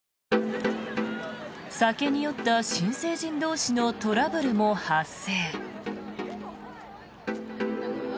酒に酔った新成人同士のトラブルも発生。